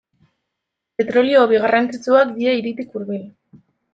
Petrolio hobi garrantzitsuak dira hiritik hurbil.